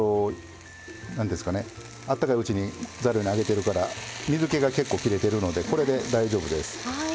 あったかいうちにざるに上げてるから水けが結構きれてるのでこれで大丈夫です。